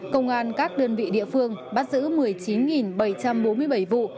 công an các đơn vị địa phương bắt giữ một mươi chín bảy trăm bốn mươi bảy vụ